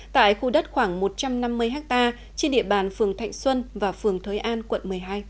tại khu đất khoảng một trăm năm mươi ha trên địa bàn phường thạnh xuân và phường thới an quận một mươi hai